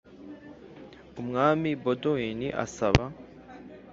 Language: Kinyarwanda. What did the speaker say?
umwami baudouin asaba